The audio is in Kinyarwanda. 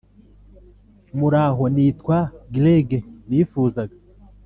Muraho nitwa Greg Nifuzaga